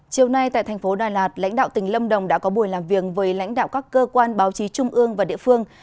chiều nay tại thành phố đà lạt lãnh đạo tỉnh lâm đồng đã có buổi làm việc với lãnh đạo các cơ quan báo chí trung ương và địa phương